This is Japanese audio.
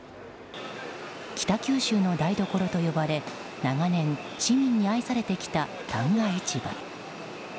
北九州の台所と呼ばれ長年、市民に愛されてきた旦過市場。